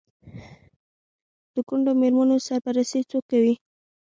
د کونډو میرمنو سرپرستي څوک کوي؟